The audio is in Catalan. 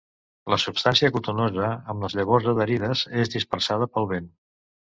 La substància cotonosa, amb les llavors adherides, és dispersada pel vent.